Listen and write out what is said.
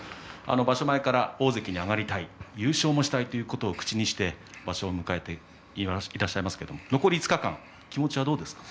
場所前から大関に上がりたい優勝もしたいということを口にして場所を迎えましたが残り５日間、気持ちはどうですか。